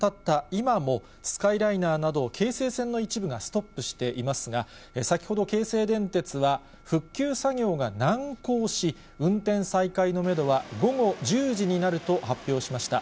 今も、スカイライナーなど、京成線の一部がストップしていますが、先ほど、京成電鉄は復旧作業が難航し、運転再開のメドは、午後１０時になると発表しました。